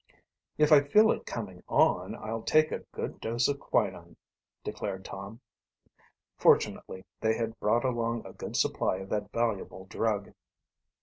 "If I feel it coming on I'll take a good dose of quinine," declared Tom. Fortunately they had brought along a good supply of that valuable drug.